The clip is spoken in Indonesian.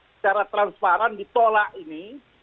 secara transparan ditolak ini